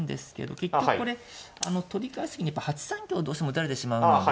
結局これ取り返す時にやっぱり８三香どうしても打たれてしまうので。